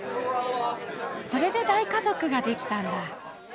それで大家族が出来たんだ。